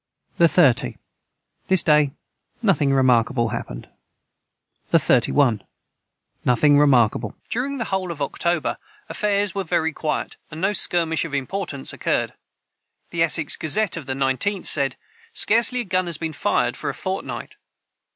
the 30. This day nothing remarkable hapned. the 31. Nothing remarkable. [Footnote 176: During the whole of October, affairs were very quiet, and no skirmish of importance occurred. The "Essex Gazette" of the 19th said, "Scarcely a gun has been fired for a fortnight."